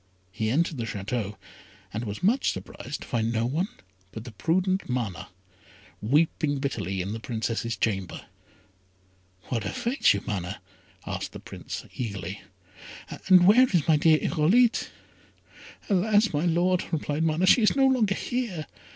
He entered the Château, and was much surprised to find no one but the prudent Mana, weeping bitterly in the Princess's chamber. "What afflicts you, Mana?" asked the Prince, eagerly; "and where is my dear Irolite?" "Alas! my Lord," replied Mana, "she is no longer here.